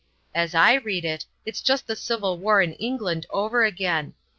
As I read it, it's just the civil war in England over again.